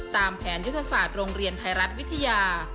ตามแผนยุทธศาสตร์โรงเรียนไทยรัฐวิทยา